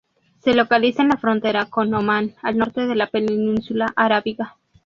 Se localiza en la frontera con Omán al norte de la península arábiga.